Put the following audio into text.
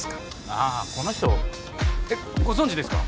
ああこの人えっご存じですか？